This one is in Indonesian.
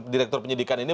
direktur penyidikan ini